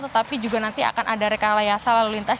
tetapi juga nanti akan ada rekayasa lalu lintas